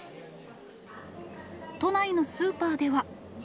都内のスーパーでは。